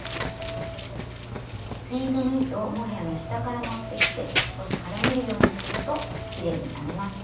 ツイードの糸をモヘアの下から持ってきて少し絡めるようにするときれいに編めます。